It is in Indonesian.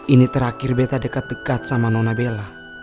ini terakhir beta dekat dekat sama nona bella